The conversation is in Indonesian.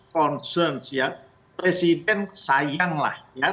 concern ya presiden sayanglah ya